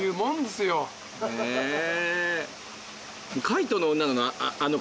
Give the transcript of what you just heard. カイトの女なの？